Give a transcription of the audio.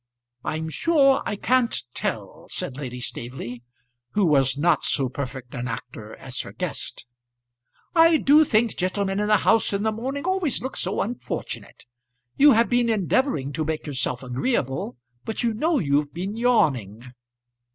"I'm sure I can't tell," said Lady Staveley, who was not so perfect an actor as her guest. "I do think gentlemen in the house in the morning always look so unfortunate. You have been endeavouring to make yourself agreeable, but you know you've been yawning."